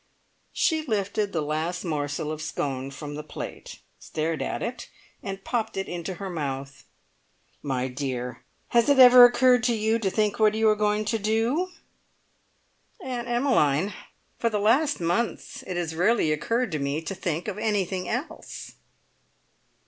She lifted the last morsel of scone from the plate, stared at it, and popped it into her mouth. "My dear, has it ever occurred to you to think what you are going to do?" "Aunt Emmeline, for the last months it has rarely occurred to me to think of anything else!"